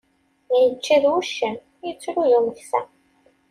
Ičča d wuccen, ittru d umeksa.